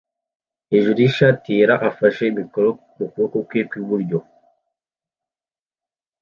hejuru yishati yera afashe mikoro mukuboko kwe kwi buryo